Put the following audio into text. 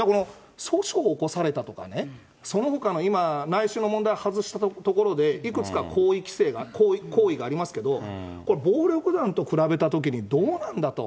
訴訟を起こされたとかね、そのほかの今、内心の問題外したところで、いくつか行為がありますけれども、これ、暴力団と比べたときにどうなんだと。